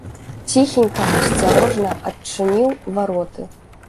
Ціхенька, асцярожна адчыніў вароты.